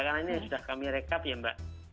karena ini sudah kami rekap ya mbak